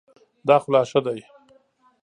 دا خو لا ښه دی .